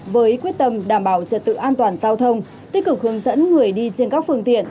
với quyết tâm đảm bảo trật tự an toàn giao thông tích cực hướng dẫn người đi trên các phương tiện